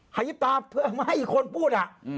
ขยิบตาเพื่อให้คนพูด